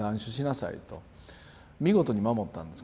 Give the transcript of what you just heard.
見事に守ったんです